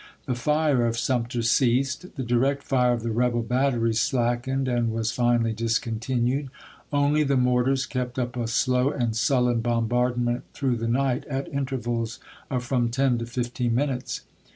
The fire of Sumter ceased ; the direct fire of the rebel batteries slackened, and was finally discontinued ; only the mortars kept up a slow and sullen bombardment through the night at intervals of from ten to fifteen minutes.